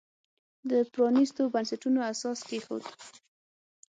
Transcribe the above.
د پرانیستو بنسټونو اساس کېښود.